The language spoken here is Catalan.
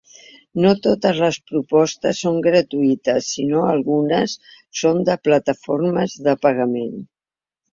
No totes les propostes són gratuïtes, sinó algunes són de plataformes de pagament.